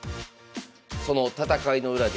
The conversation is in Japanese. その戦いの裏で次期